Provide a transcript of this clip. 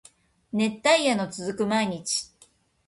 熱帯夜の続く毎日